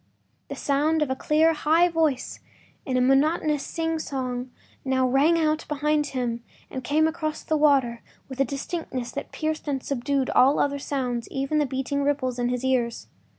The sound of a clear, high voice in a monotonous singsong now rang out behind him and came across the water with a distinctness that pierced and subdued all other sounds, even the beating of the ripples in his ears.